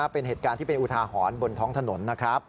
เป็นเหตุการณ์ที่เป็นอุทาหรณ์บนท้องถนนนะครับ